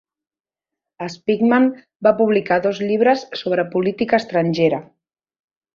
Spykman va publicar dos llibres sobre política estrangera.